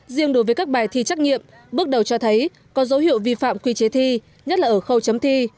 riêng đối với các bài thi trắc nghiệm bước đầu cho thấy có dấu hiệu vi phạm quy chế thi nhất là ở khâu chấm thi